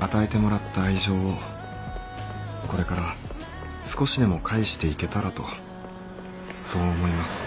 与えてもらった愛情をこれから少しでも返していけたらとそう思います。